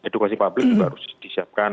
edukasi publik juga harus disiapkan